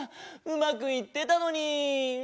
うまくいってたのに。